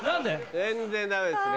全然ダメですね。